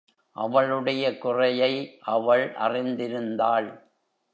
அவளுடைய குறையை அவள் அறிந்திருந்தாள்.